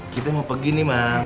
kita mau pergi nih bang